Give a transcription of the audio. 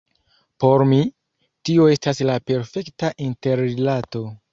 Por mi, tio estas la perfekta interrilato.